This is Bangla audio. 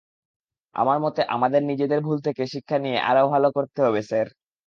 আমার মতে আমাদের নিজেদের ভুল থেকে শিক্ষা নিয়ে আরো ভালো করতে হবে, স্যার।